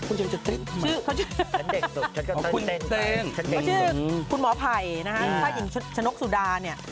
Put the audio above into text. มันชื่อคุณหมอไผ่ซาหญิงฉนกสุดาเนี่ย